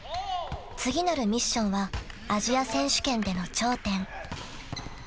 ［次なるミッションはアジア選手権での頂点］